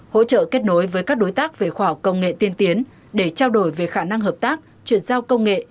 hỗ trợ kết nối với các đối tác về khoa học công nghệ tiên tiến để trao đổi về khả năng hợp tác chuyển giao công nghệ